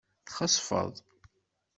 Txesfeḍ.